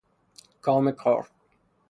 کام کار